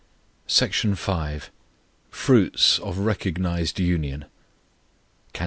SECTION V FRUITS OF RECOGNIZED UNION Cant.